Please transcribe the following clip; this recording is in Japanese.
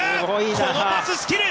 このパススキル。